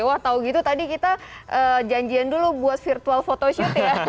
wah tahu gitu tadi kita janjian dulu buat virtual photoshoot ya